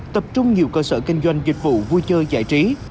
tập trung nhiều cơ sở kinh doanh dịch vụ vui chơi giải trí